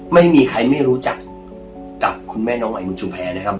ไม่มีใครไม่รู้จักกับคุณแม่น้องใหม่เมืองชุมแพรนะครับ